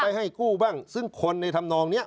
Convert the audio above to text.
ให้กู้บ้างซึ่งคนในธรรมนองนี้